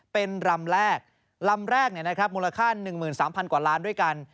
เป็นลำแรกลำแรกเนี่ยนะครับมูลค่า๑๓๐๐๐กว่าล้านด้วยกัน